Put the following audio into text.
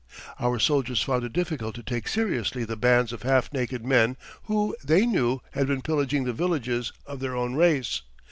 Our soldiers found it difficult to take seriously the bands of half naked men, who, they knew, had been pillaging the villages of their own race.